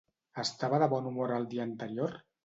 Estava de bon humor el dia anterior?